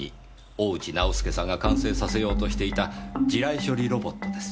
大内直輔さんが完成させようとしていた地雷処理ロボットです。